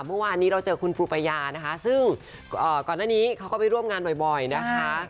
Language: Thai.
เมื่อวานนี้เราเจอคุณปูปายานะคะซึ่งก่อนหน้านี้เขาก็ไปร่วมงานบ่อยนะคะ